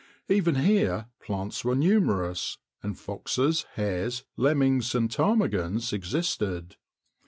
Even here plants were numerous, and foxes, hares, lemmings, and ptarmigans existed.